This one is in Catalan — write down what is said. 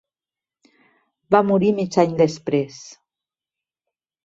Va morir mig any després.